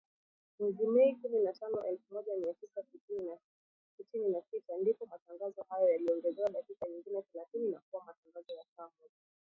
Mwezi Mei, kumi na tano, elfu moja mia tisa sitini na sita, ndipo matangazo hayo yaliongezewa dakika nyingine thelathini na kuwa matangazo ya saa moja